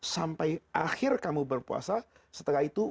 sampai akhir kamu berpuasa setelah itu